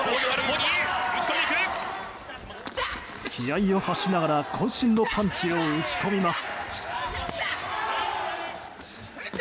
気合を発しながら渾身のパンチを打ち込みます。